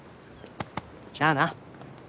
じゃあな。